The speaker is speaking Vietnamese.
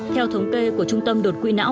theo thống kê của trung tâm đột quỵ não